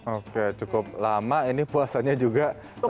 oke cukup lama ini puasanya juga